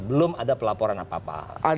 belum ada pelaporan apa apa